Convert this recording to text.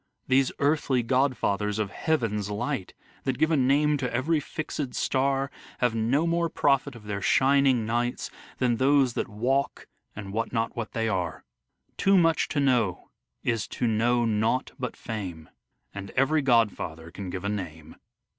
These earthly godfathers of heaven's light That give a name to every fixed star, Have no more profit of their shining nights Than those that walk and wot not what they are. Too much to know is to know nought but fame, And every godfather can give a name.